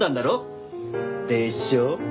でしょ？